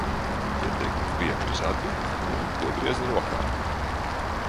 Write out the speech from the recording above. Pietiek tik vienu izārdīt un piegrieztne rokā.